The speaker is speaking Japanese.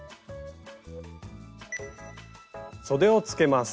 そでをつけます。